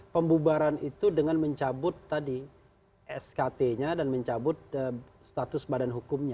pembubaran itu dengan mencabut tadi skt nya dan mencabut status badan hukumnya